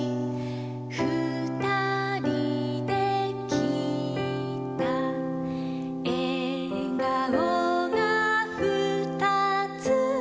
「ふたりできいた」「えがおがふたつ」